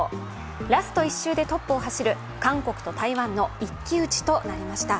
ラスト１周でトップを走る韓国と台湾の一騎打ちとなりました。